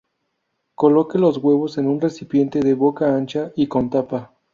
Coloque los huevos en un recipiente de boca ancha y con tapa.